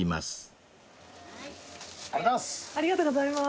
ありがとうございます。